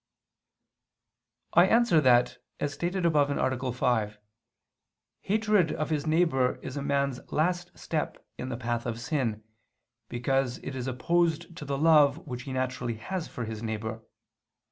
I answer that, As stated above (A. 5), hatred of his neighbor is a man's last step in the path of sin, because it is opposed to the love which he naturally has for his neighbor.